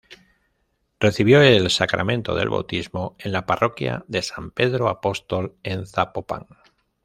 Recibió el sacramento del bautismo en la parroquia de San Pedro Apóstol en Zapopan.